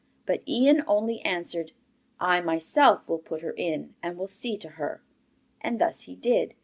But Ian only answered: 'I myself will put her in and will see to her.' And thus he did.